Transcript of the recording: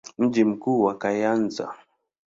Mji mkuu ni Kayanza.